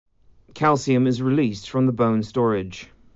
Calcium is released from the bone storage.